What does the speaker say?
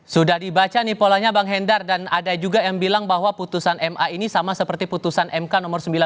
sudah dibaca nih polanya bang hendar dan ada juga yang bilang bahwa putusan ma ini sama seperti putusan mk nomor sembilan